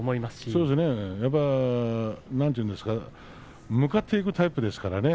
そうですね向かっていくタイプですからね。